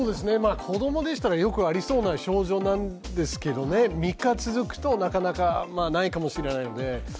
子供でしたらよくありそうな症状なんですけど、３日続くとなかなかないかもしれないので。